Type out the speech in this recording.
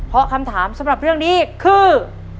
เพราะคำถามสำหรับเรื่องนี้คือ